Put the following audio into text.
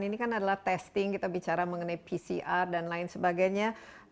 ini kan adalah testing kita bicara mengenai pcr dan lain sebagainya